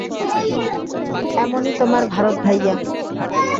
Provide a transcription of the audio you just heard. এমনই তোমার ভারত ভাইয়া।